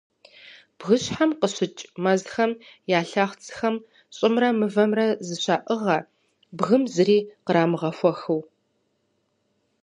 Бгыщхьэм къыщыкӏ мэзхэм я лъэхъыцхэм щӏымрэ мывэмрэ зэщӏаӏыгъэ бгым зыри кърамыгъэхуэхыу.